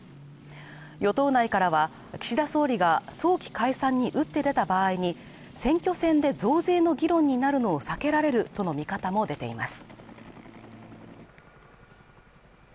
与党内からは岸田総理が早期解散に打って出た場合に、選挙戦で増税の議論になるのを避けられるとの見方も出ています。